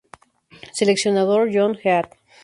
Seleccionador: John Head